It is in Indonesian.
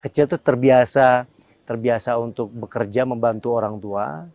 kecil itu terbiasa untuk bekerja membantu orang tua